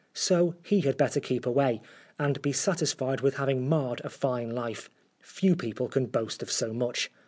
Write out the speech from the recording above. So he had better keep away, and be satisfied with having marred a fine life. Few people can boast of so much.